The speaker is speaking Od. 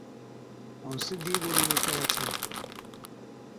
ائُون سِنڌِي ٻولِي ۾ ڪيھي ڇَي